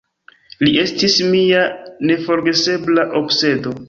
Li estis mia neforgesebla obsedo.